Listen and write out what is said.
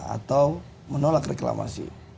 atau menolak reklamasi